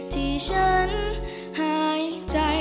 ที่ฉันหายใจ